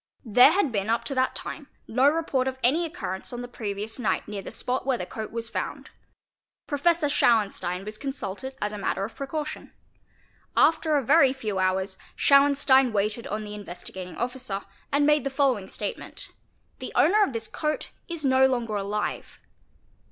There had been up to that time no report of any occurrence on the previous night near the spot where the coat was found. Professor Schauenstein was consulted as a matter of 588 TRACES oF BLOOD precaution. After a very few hours Schauenstein waited on the In vestigating Officer and made the following statement: the owner of this coat is no longer alive.